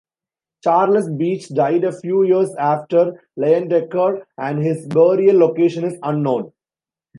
Charles Beach died a few years after Leyendecker, and his burial location is unknown.